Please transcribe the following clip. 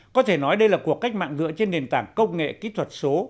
có thể nói đây là cuộc cách mạng dựa trên nền tảng công nghệ kỹ thuật số